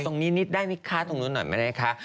ตรงนี้นิดได้ไหมคะตรงนู้นหน่อยไม่ได้คะ